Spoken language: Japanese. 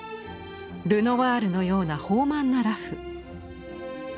ルノワールのような豊満な裸婦。